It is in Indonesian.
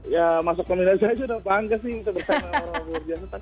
ya masuk nominasi aja udah bangga sih bersaing dengan orang orang yang luar biasa